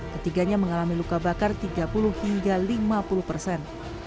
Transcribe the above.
ketiganya mengalami luka bakar tiga puluh hingga lima puluh persen